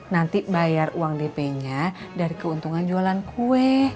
nanti bayar uang dp nya dari keuntungan jualan kue